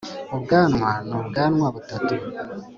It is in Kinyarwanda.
ubwanwa n'ubwanwa butatu.